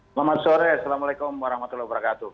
selamat sore assalamualaikum warahmatullahi wabarakatuh